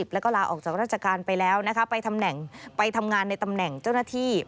แล้วก็ลาออกจากราชการไปแล้วไปทำงานในตำแหน่งเจ้าหน้าที่